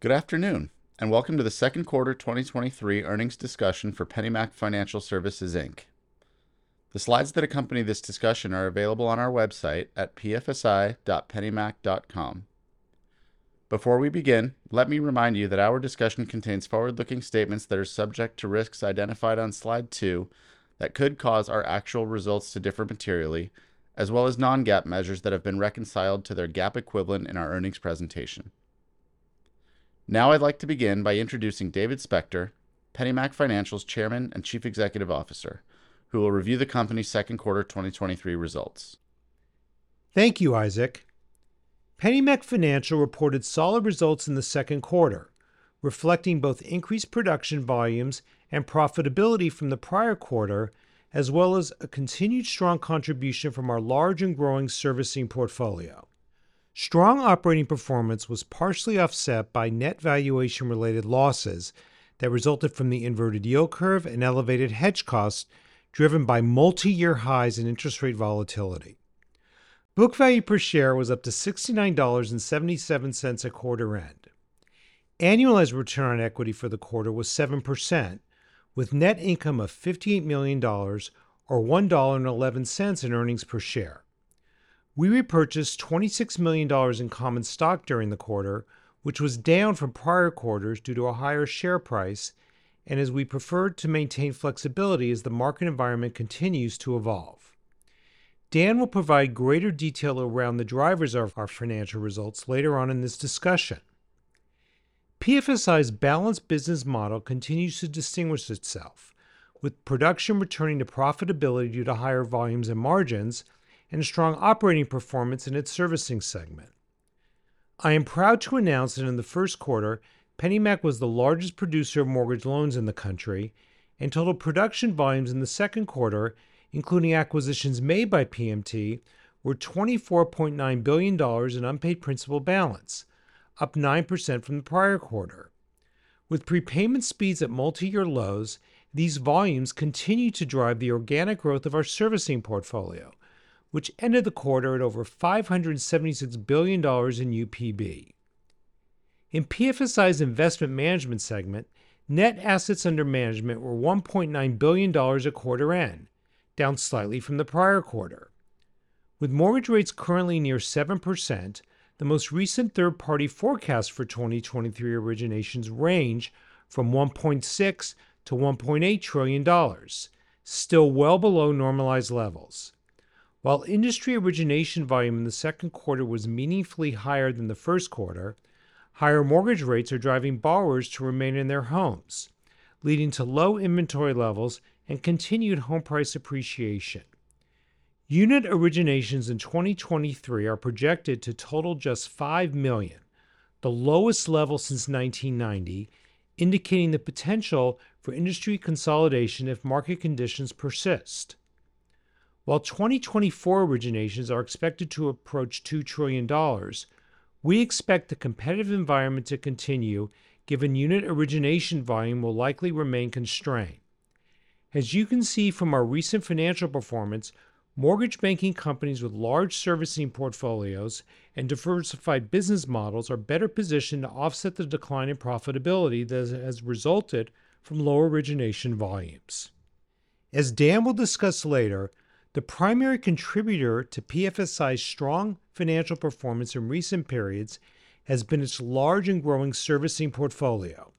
Good afternoon, and welcome to the Second Quarter 2023 earnings discussion for PennyMac Financial Services, Inc. The slides that accompany this discussion are available on our website at pfsi.pennymac.com. Before we begin, let me remind you that our discussion contains forward-looking statements that are subject to risks identified on Slide 2 that could cause our actual results to differ materially, as well as non-GAAP measures that have been reconciled to their GAAP equivalent in our earnings presentation. Now, I'd like to begin by introducing David Spector, PennyMac Financial's Chairman and Chief Executive Officer, who will review the company's Second Quarter 2023 results. Thank you, Isaac. PennyMac Financial reported solid results in the second quarter, reflecting both increased production volumes and profitability from the prior quarter, as well as a continued strong contribution from our large and growing servicing portfolio. Strong operating performance was partially offset by net valuation-related losses that resulted from the inverted yield curve and elevated hedge costs, driven by multi-year highs in interest rate volatility. Book value per share was up to $69.77 at quarter end. Annualized return on equity for the quarter was 7%, with net income of $58 million, or $1.11 in earnings per share. We repurchased $26 million in common stock during the quarter, which was down from prior quarters due to a higher share price and as we preferred to maintain flexibility as the market environment continues to evolve. Dan will provide greater detail around the drivers of our financial results later on in this discussion. PFSI's balanced business model continues to distinguish itself, with production returning to profitability due to higher volumes and margins and strong operating performance in its servicing segment. I am proud to announce that in the first quarter, PennyMac was the largest producer of mortgage loans in the country, and total production volumes in the second quarter, including acquisitions made by PMT, were $24.9 billion in unpaid principal balance, up 9% from the prior quarter. With prepayment speeds at multi-year lows, these volumes continue to drive the organic growth of our servicing portfolio, which ended the quarter at over $576 billion in UPB. In PFSI's investment management segment, net assets under management were $1.9 billion at quarter end, down slightly from the prior quarter. With mortgage rates currently near 7%, the most recent third-party forecast for 2023 originations range from $1.6 trillion-$1.8 trillion, still well below normalized levels. While industry origination volume in the second quarter was meaningfully higher than the first quarter, higher mortgage rates are driving borrowers to remain in their homes, leading to low inventory levels and continued home price appreciation. Unit originations in 2023 are projected to total just 5 million, the lowest level since 1990, indicating the potential for industry consolidation if market conditions persist. While 2024 originations are expected to approach $2 trillion, we expect the competitive environment to continue, given unit origination volume will likely remain constrained. As you can see from our recent financial performance, mortgage banking companies with large servicing portfolios and diversified business models are better positioned to offset the decline in profitability that has resulted from lower origination volumes. As Dan will discuss later, the primary contributor to PFSI's strong financial performance in recent periods has been its large and growing servicing portfolio.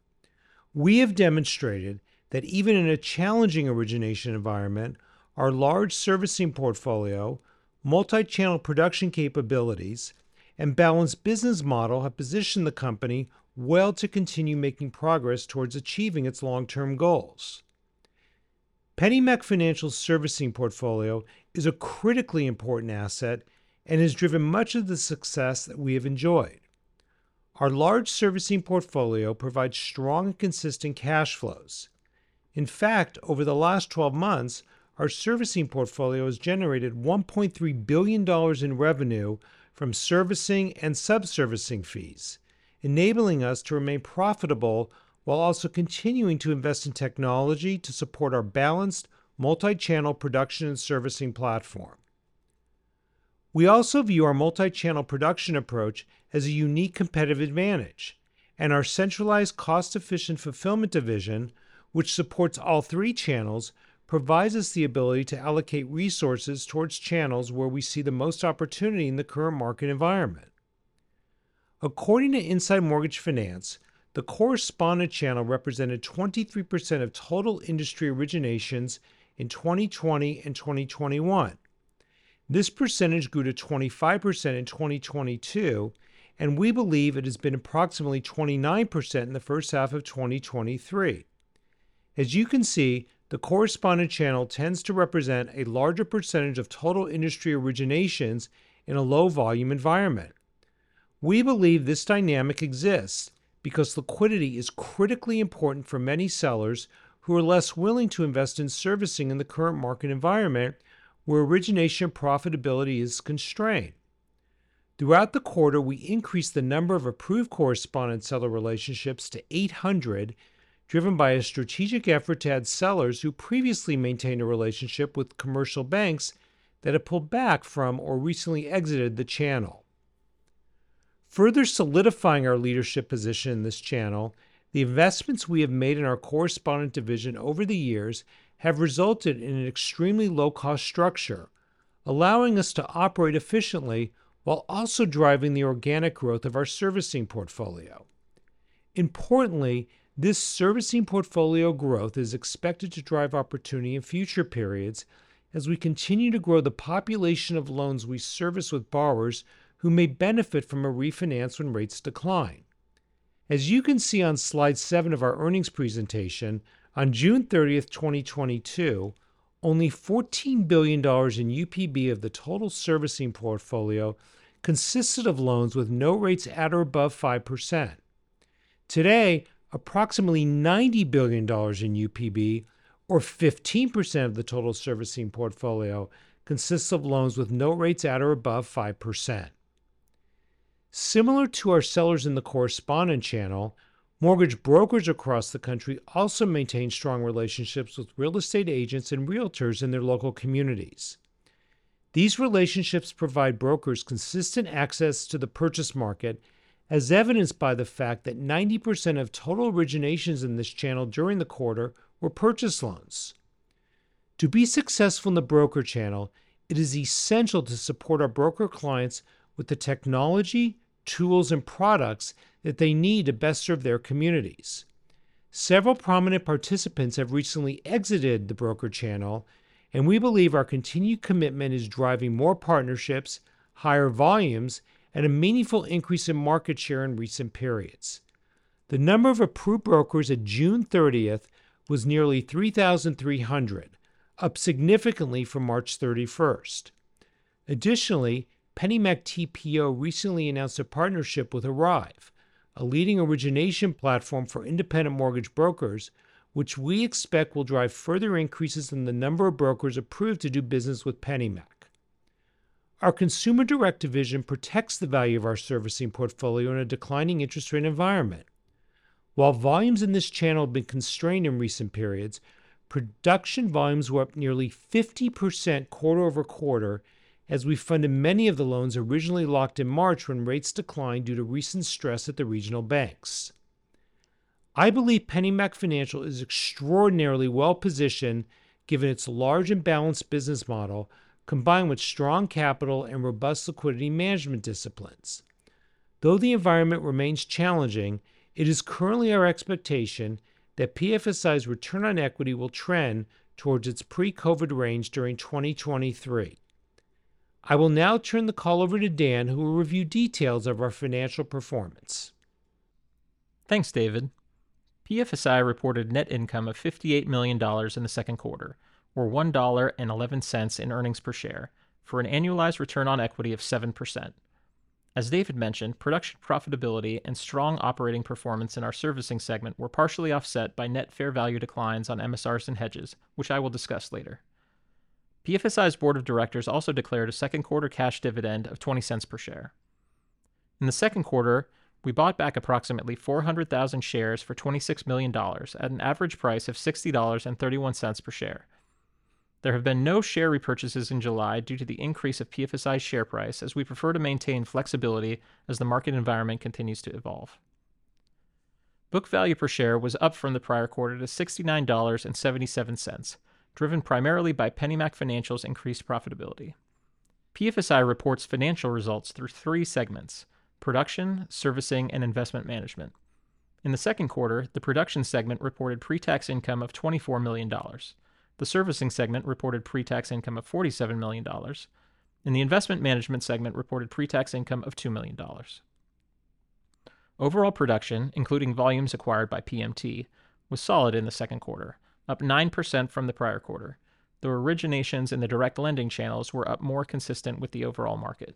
We have demonstrated that even in a challenging origination environment, our large servicing portfolio, multi-channel production capabilities, and balanced business model have positioned the company well to continue making progress towards achieving its long-term goals. PennyMac Financial servicing portfolio is a critically important asset and has driven much of the success that we have enjoyed. Our large servicing portfolio provides strong and consistent cash flows. In fact, over the last 12 months, our servicing portfolio has generated $1.3 billion in revenue from servicing and subservicing fees, enabling us to remain profitable while also continuing to invest in technology to support our balanced multi-channel production and servicing platform. We also view our multi-channel production approach as a unique competitive advantage, our centralized, cost-efficient fulfillment division, which supports all three channels, provides us the ability to allocate resources towards channels where we see the most opportunity in the current market environment. According to Inside Mortgage Finance, the correspondent channel represented 23% of total industry originations in 2020 and 2021. This percentage grew to 25% in 2022, we believe it has been approximately 29% in the first half of 2023. As you can see, the correspondent channel tends to represent a larger percentage of total industry originations in a low-volume environment. We believe this dynamic exists because liquidity is critically important for many sellers who are less willing to invest in servicing in the current market environment, where origination profitability is constrained. Throughout the quarter, we increased the number of approved correspondent seller relationships to 800, driven by a strategic effort to add sellers who previously maintained a relationship with commercial banks that have pulled back from or recently exited the channel. Further solidifying our leadership position in this channel, the investments we have made in our correspondent division over the years have resulted in an extremely low-cost structure, allowing us to operate efficiently while also driving the organic growth of our servicing portfolio. Importantly, this servicing portfolio growth is expected to drive opportunity in future periods as we continue to grow the population of loans we service with borrowers who may benefit from a refinance when rates decline. As you can see on Slide 7 of our earnings presentation, on June 30th, 2022, only $14 billion in UPB of the total servicing portfolio consisted of loans with no rates at or above 5%. Today, approximately $90 billion in UPB, or 15% of the total servicing portfolio, consists of loans with note rates at or above 5%. Similar to our sellers in the correspondent channel, mortgage brokers across the country also maintain strong relationships with real estate agents and Realtors in their local communities. These relationships provide brokers consistent access to the purchase market, as evidenced by the fact that 90% of total originations in this channel during the quarter were purchase loans. To be successful in the broker channel, it is essential to support our broker clients with the technology, tools, and products that they need to best serve their communities. Several prominent participants have recently exited the broker channel, and we believe our continued commitment is driving more partnerships, higher volumes, and a meaningful increase in market share in recent periods. The number of approved brokers at June 30th was nearly 3,300, up significantly from March 31st. Additionally, PennyMac TPO recently announced a partnership with ARIVE, a leading origination platform for independent mortgage brokers, which we expect will drive further increases in the number of brokers approved to do business with PennyMac. Our consumer direct division protects the value of our servicing portfolio in a declining interest rate environment. While volumes in this channel have been constrained in recent periods, production volumes were up nearly 50% quarter-over-quarter as we funded many of the loans originally locked in March when rates declined due to recent stress at the regional banks. I believe PennyMac Financial is extraordinarily well-positioned, given its large and balanced business model, combined with strong capital and robust liquidity management disciplines. Though the environment remains challenging, it is currently our expectation that PFSI's return on equity will trend towards its pre-COVID range during 2023. I will now turn the call over to Dan, who will review details of our financial performance. Thanks, David. PFSI reported net income of $58 million in the second quarter, or $1.11 in earnings per share, for an annualized return on equity of 7%. As David mentioned, production profitability and strong operating performance in our servicing segment were partially offset by net fair value declines on MSRs and hedges, which I will discuss later. PFSI's board of directors also declared a second quarter cash dividend of $0.20 per share. In the second quarter, we bought back approximately 400,000 shares for $26 million at an average price of $60.31 per share. There have been no share repurchases in July due to the increase of PFSI's share price, as we prefer to maintain flexibility as the market environment continues to evolve. Book value per share was up from the prior quarter to $69.77, driven primarily by PennyMac Financial's increased profitability. PFSI reports financial results through three segments: production, servicing, and investment management. In the second quarter, the production segment reported pre-tax income of $24 million. The servicing segment reported pre-tax income of $47 million, and the investment management segment reported pre-tax income of $2 million. Overall production, including volumes acquired by PMT, was solid in the second quarter, up 9% from the prior quarter, though originations in the direct lending channels were up more consistent with the overall market.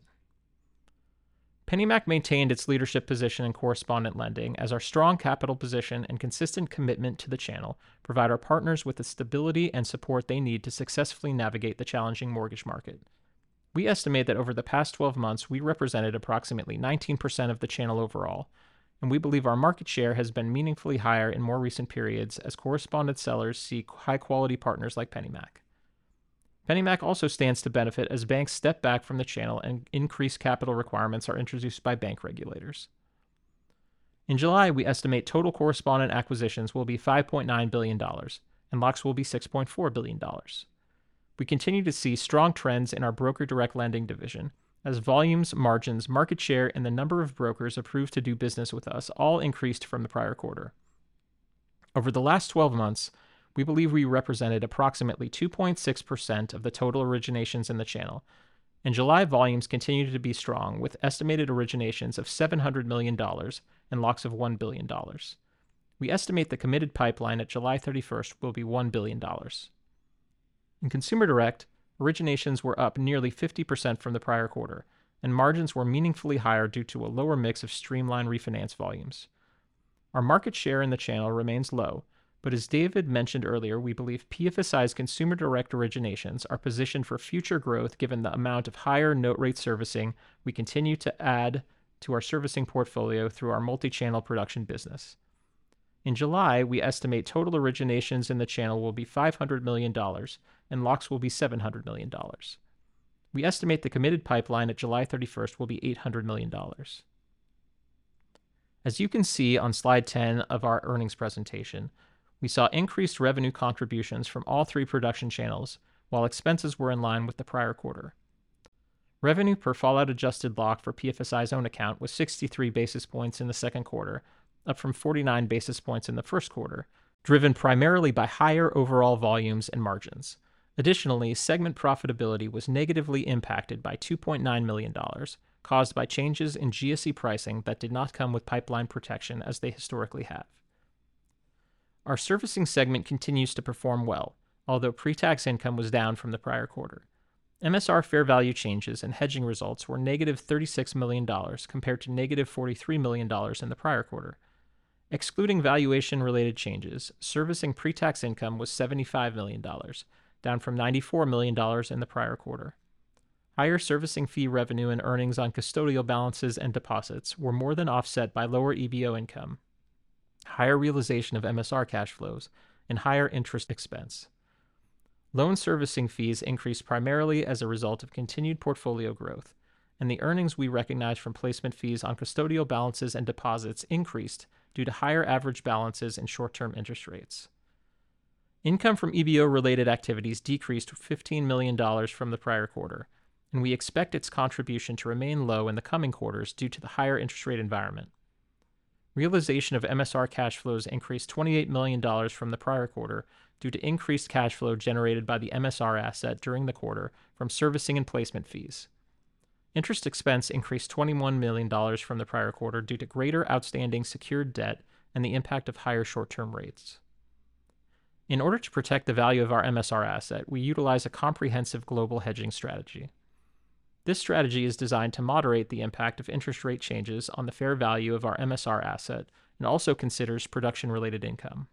PennyMac maintained its leadership position in correspondent lending as our strong capital position and consistent commitment to the channel provide our partners with the stability and support they need to successfully navigate the challenging mortgage market. We estimate that over the past 12 months, we represented approximately 19% of the channel overall, and we believe our market share has been meaningfully higher in more recent periods as correspondent sellers seek high-quality partners like PennyMac. PennyMac also stands to benefit as banks step back from the channel and increased capital requirements are introduced by bank regulators. In July, we estimate total correspondent acquisitions will be $5.9 billion, and locks will be $6.4 billion. We continue to see strong trends in our broker direct lending division as volumes, margins, market share, and the number of brokers approved to do business with us all increased from the prior quarter. Over the last 12 months, we believe we represented approximately 2.6% of the total originations in the channel, July volumes continued to be strong, with estimated originations of $700 million and locks of $1 billion. We estimate the committed pipeline at July 31st will be $1 billion. In consumer direct, originations were up nearly 50% from the prior quarter, and margins were meaningfully higher due to a lower mix of streamlined refinance volumes. Our market share in the channel remains low, but as David mentioned earlier, we believe PFSI's consumer direct originations are positioned for future growth, given the amount of higher note rate servicing we continue to add to our servicing portfolio through our multi-channel production business.... In July, we estimate total originations in the channel will be $500 million, and locks will be $700 million. We estimate the committed pipeline at July 31st will be $800 million. As you can see on Slide 10 of our earnings presentation, we saw increased revenue contributions from all three production channels, while expenses were in line with the prior quarter. Revenue per fallout adjusted lock for PFSI's own account was 63 basis points in the second quarter, up from 49 basis points in the first quarter, driven primarily by higher overall volumes and margins. Additionally, segment profitability was negatively impacted by $2.9 million, caused by changes in GSE pricing that did not come with pipeline protection as they historically have. Our servicing segment continues to perform well, although pre-tax income was down from the prior quarter. MSR fair value changes and hedging results were -$36 million, compared to -$43 million in the prior quarter. Excluding valuation-related changes, servicing pre-tax income was $75 million, down from $94 million in the prior quarter. Higher servicing fee revenue and earnings on custodial balances and deposits were more than offset by lower EVO income, higher realization of MSR cash flows, and higher interest expense. Loan servicing fees increased primarily as a result of continued portfolio growth, and the earnings we recognized from placement fees on custodial balances and deposits increased due to higher average balances and short-term interest rates. Income from EVO-related activities decreased to $15 million from the prior quarter, and we expect its contribution to remain low in the coming quarters due to the higher interest rate environment. Realization of MSR cash flows increased $28 million from the prior quarter due to increased cash flow generated by the MSR asset during the quarter from servicing and placement fees. Interest expense increased $21 million from the prior quarter due to greater outstanding secured debt and the impact of higher short-term rates. In order to protect the value of our MSR asset, we utilize a comprehensive global hedging strategy. This strategy is designed to moderate the impact of interest rate changes on the fair value of our MSR asset and also considers production-related income.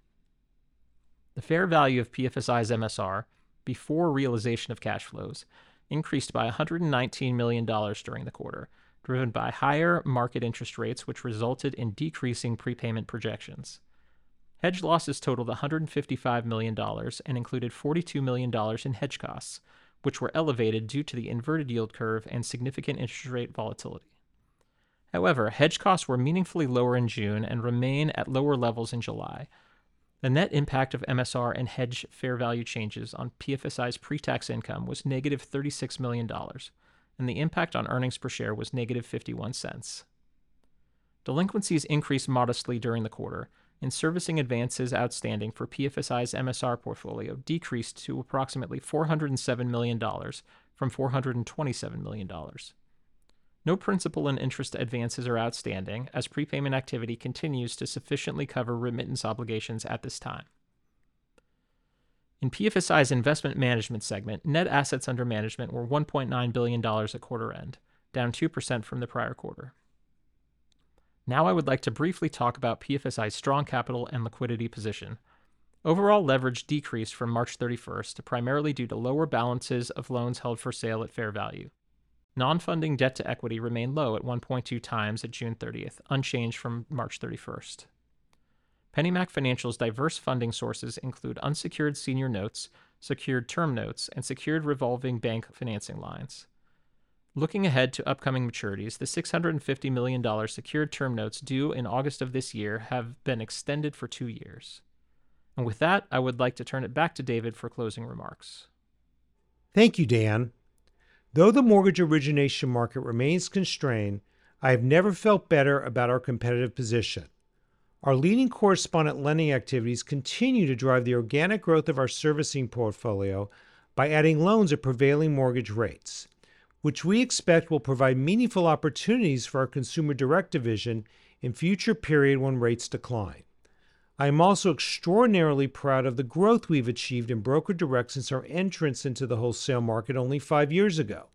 The fair value of PFSI's MSR, before realization of cash flows, increased by $119 million during the quarter, driven by higher market interest rates, which resulted in decreasing prepayment projections. Hedge losses totaled $155 million and included $42 million in hedge costs, which were elevated due to the inverted yield curve and significant interest rate volatility. Hedge costs were meaningfully lower in June and remain at lower levels in July. The net impact of MSR and hedge fair value changes on PFSI's pre-tax income was -$36 million, the impact on earnings per share was -$0.51. Delinquencies increased modestly during the quarter, and servicing advances outstanding for PFSI's MSR portfolio decreased to approximately $407 million from $427 million. No principal and interest advances are outstanding, as prepayment activity continues to sufficiently cover remittance obligations at this time. In PFSI's investment management segment, net assets under management were $1.9 billion at quarter end, down 2% from the prior quarter. Now I would like to briefly talk about PFSI's strong capital and liquidity position. Overall leverage decreased from March 31st, primarily due to lower balances of loans held for sale at fair value. Non-funding debt to equity remained low at 1.2x at June 30th, unchanged from March 31st. PennyMac Financial's diverse funding sources include unsecured senior notes, secured term notes, and secured revolving bank financing lines. Looking ahead to upcoming maturities, the $650 million secured term notes due in August 2023 have been extended for two years. With that, I would like to turn it back to David for closing remarks. Thank you, Dan. Though the mortgage origination market remains constrained, I have never felt better about our competitive position. Our leading correspondent lending activities continue to drive the organic growth of our servicing portfolio by adding loans at prevailing mortgage rates, which we expect will provide meaningful opportunities for our consumer direct division in future period when rates decline. I am also extraordinarily proud of the growth we've achieved in Broker Direct since our entrance into the wholesale market only five years ago.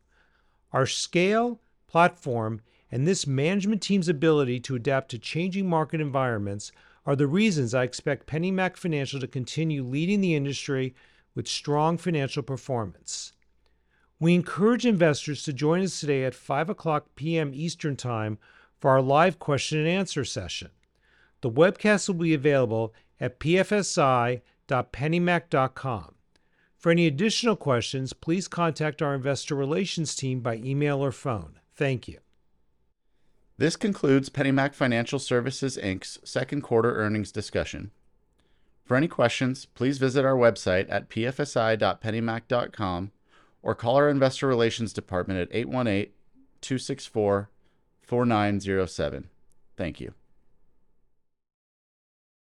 Our scale, platform, and this management team's ability to adapt to changing market environments are the reasons I expect PennyMac Financial to continue leading the industry with strong financial performance. We encourage investors to join us today at 5:00 P.M. Eastern Time for our live question and answer session. The webcast will be available at pfsi.pennymac.com. For any additional questions, please contact our Investor Relations team by email or phone. Thank you. This concludes PennyMac Financial Services, Inc's second quarter earnings discussion. For any questions, please visit our website at pfsi.pennymac.com, or call our Investor Relations Department at 818-264-4907. Thank you.